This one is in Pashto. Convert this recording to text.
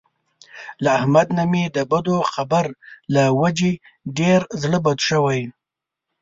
له احمد نه مې د بدو خبر له وجې ډېر زړه بد شوی.